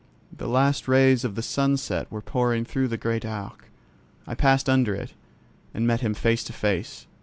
The last rays of sunset were pouring through the great Arc. I passed under it, and met him face to face.